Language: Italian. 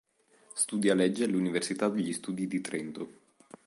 Studia legge all'Università degli Studi di Trento.